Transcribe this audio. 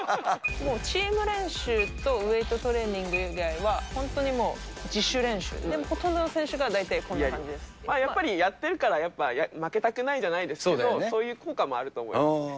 もうチーム練習とウエイトトレーニング以外は、本当にもう自ほとんどの選手が大体こんなやっぱりやっているから、やっぱ負けたくないじゃないですけど、そういう効果もあると思い